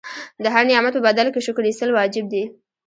د هر نعمت په بدل کې شکر ایستل واجب دي.